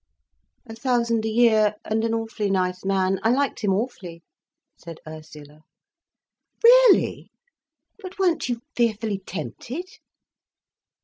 _" "A thousand a year, and an awfully nice man. I liked him awfully," said Ursula. "Really! But weren't you fearfully tempted?"